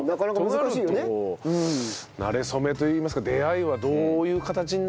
となるとなれ初めといいますか出会いはどういう形になりますか？